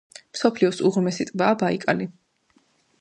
მსოფლიოს უღრმესი ტბაა ბაიკალი.